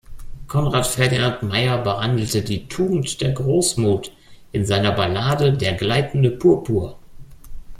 Conrad Ferdinand Meyer behandelte die Tugend der Großmut in seiner Ballade "Der gleitende Purpur".